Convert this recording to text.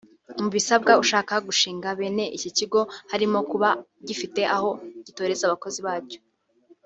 Mu bisabwa ushaka gushinga bene iki kigo harimo kuba gifite aho gitoreza abakozi bacyo